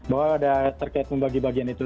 bahwa ada terkait membagi bagian itu